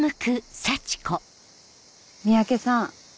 三宅さん